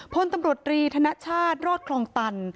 พลตำรวจรีธนชาติรอดคลองตัน